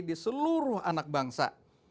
di seluruh anak bangsa